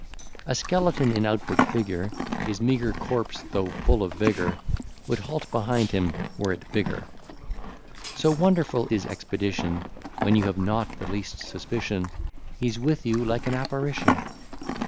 A skeleton in outward figure, His meagre corps, though full of vigour, Would halt behind him, were it bigger. So wonderful his expedition, When you have not the least suspicion, He's with you like an apparition.